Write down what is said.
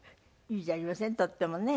いいじゃありませんとってもね。